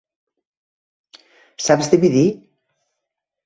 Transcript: Saps dividir?